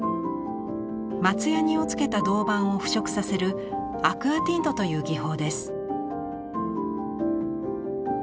松やにをつけた銅版を腐食させるアクアティントという技法です。